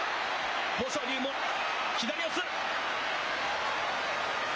豊昇龍も、左四つ。